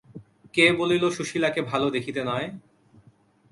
কে বলিল সুশীলাকে ভালো দেখিতে নয়?